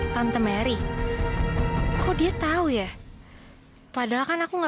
sampai jumpa di video selanjutnya